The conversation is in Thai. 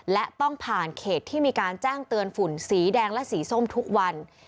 และต้องผ่านเขตที่มีการแจ้งเตือนฝุ่นสีแดงและสีส้มทุกวัน